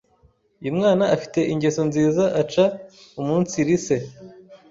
uyu mwana afi te ingeso nziza aca umunsiri se